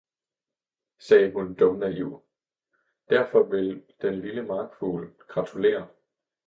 sagde hun dumnaiv, derfor vil den lille markfugl gratulere!